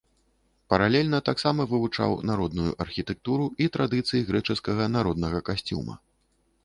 Паралельна таксама вывучаў народную архітэктуру і традыцыі грэчаскага народнага касцюма.